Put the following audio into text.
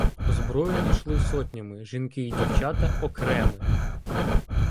Озброєні йшли сотнями, жінки і дівчата — окреми